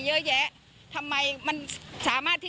เกิดว่าจะต้องมาตั้งโรงพยาบาลสนามตรงนี้